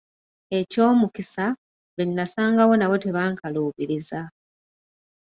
Eky'omukisa, be nnasangawo nabo tebankaluubiriza.